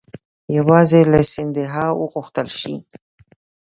یوازې له سیندهیا وغوښتل شي.